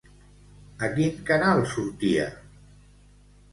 A quin canal sortia?